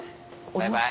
バイバイ。